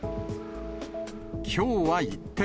きょうは一転。